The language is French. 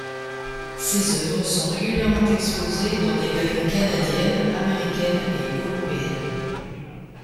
Ses œuvres sont régulièrement exposées dans des galeries canadiennes, américaines et européennes.